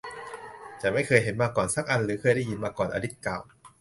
ฉันไม่เคยเห็นมาก่อนสักอันหรือเคยได้ยินมาก่อน อลิซกล่าว